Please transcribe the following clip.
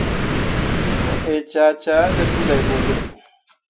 Mu ee cah cah ne suley boɓe.